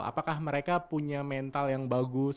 apakah mereka punya mental yang bagus